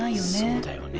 そうだよね